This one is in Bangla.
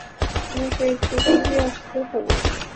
তোমাকে একটু বাহিরে আসতে হবে।